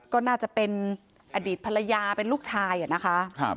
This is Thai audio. ก็น่าจะเป็นอดีตภรรยาเป็นลูกชายนะคะ